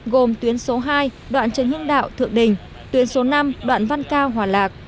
gồm tuyến số hai đoạn trần hưng đạo thượng đình tuyến số năm đoạn văn cao hòa lạc